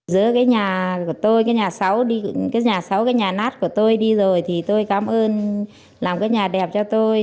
giữa cái nhà của tôi cái nhà sáu đi cái nhà sáu cái nhà nát của tôi đi rồi thì tôi cảm ơn làm cái nhà đẹp cho tôi